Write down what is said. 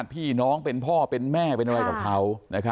พี่น้องเป็นพ่อเป็นแม่เป็นอะไรกับเขา